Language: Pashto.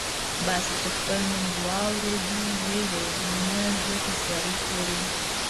باسي چې خپل نوم واورېد وې ویل: نه، زه تر سیالۍ تېر یم.